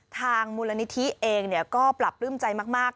ทางมูลนิธิเองก็ปรับปลื้มใจมาก